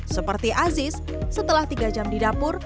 seperti aziz setelah tiga jam di dapur